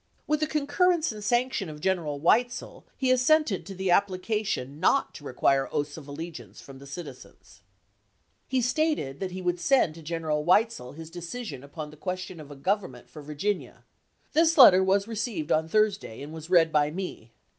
With the concurrence and sanction of General Weitzel he assented to the appli cation not to require oaths of allegiance from the citizens. LINCOLN IN KICHMOND 225 He stated that he would send to General Weitzel his de chap. xi. cision upon the question of a government for Virginia. This letter was received on Thursday, and was read by me.